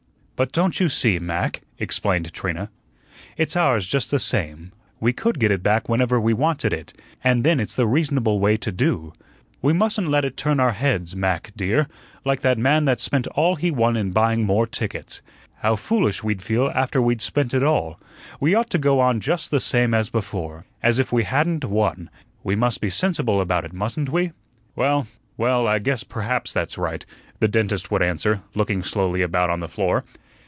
"But don't you see, Mac," explained Trina, "it's ours just the same. We could get it back whenever we wanted it; and then it's the reasonable way to do. We mustn't let it turn our heads, Mac, dear, like that man that spent all he won in buying more tickets. How foolish we'd feel after we'd spent it all! We ought to go on just the same as before; as if we hadn't won. We must be sensible about it, mustn't we?" "Well, well, I guess perhaps that's right," the dentist would answer, looking slowly about on the floor.